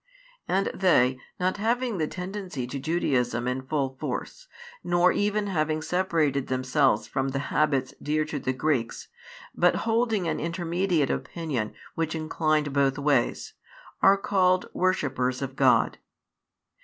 And they, not having the tendency to Judaism in full force, nor even having separated themselves from the habits dear to the Greeks, but holding an intermediate opinion which inclined both ways, are called "worshippers of God."